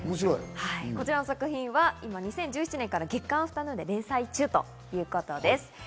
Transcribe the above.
こちらの作品は２０１７年から『月刊アフタヌーン』で連載中ということです。